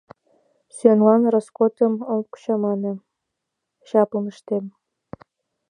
Сӱанлан роскотым ом чамане, чаплын ыштем.